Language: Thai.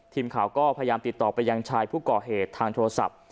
ทีมข่าวก็พยายามติดต่อไปยังชายผู้ก่อเหตุทางโทรศัพท์